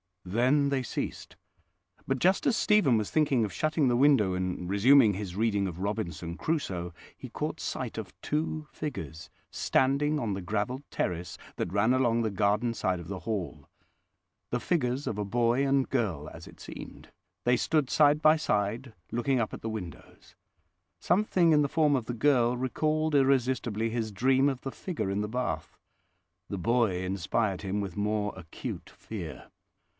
Then they ceased; but just as Stephen was thinking of shutting the window and resuming his reading of Robinson Crusoe, he caught sight of two figures standing on the gravelled terrace that ran along the garden side of the Hall—the figures of a boy and girl, as it seemed; they stood side by side, looking up at the windows. Something in the form of the girl recalled irresistibly his dream of the figure in the bath. The boy inspired him with more acute fear.